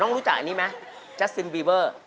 น้องรู้จักอันนี้ไหมแจ๊สซินวีเบอร์